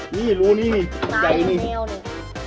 นี่รู้นี่นี่ใจนี่ตายอยู่แนวนี่